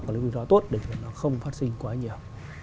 có lý rủi ro tốt để nó không phát sinh quá nhiều